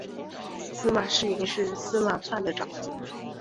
司马世云是司马纂的长子。